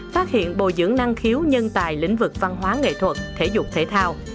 phát hiện bồi dưỡng năng khiếu nhân tài lĩnh vực văn hóa nghệ thuật thể dục thể thao